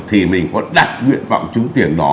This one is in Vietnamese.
thì mình có đặt nguyện vọng trúng tiền đó